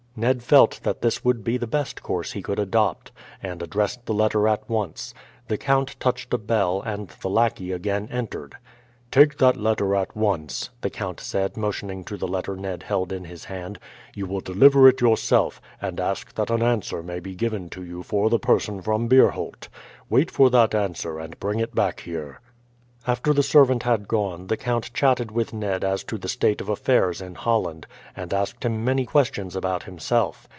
Ned felt that this would be the best course he could adopt, and addressed the letter at once. The count touched a bell and the lackey again entered. "Take that letter at once," the count said, motioning to the letter Ned held in his hand. "You will deliver it yourself, and ask that an answer may be given to you for the person from Beerholt. Wait for that answer and bring it back here." After the servant had gone the count chatted with Ned as to the state of affairs in Holland, and asked him many questions about himself.